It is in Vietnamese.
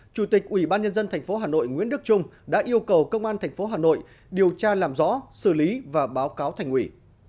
chủ tịch ubnd tp hà nội nguyễn đức trung đã yêu cầu công an tp hà nội điều tra làm rõ xử lý và báo cáo thành quỷ